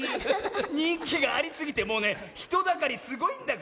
にんきがありすぎてもうねひとだかりすごいんだから。